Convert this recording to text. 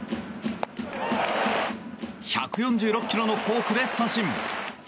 １４６ｋｍのフォークで三振。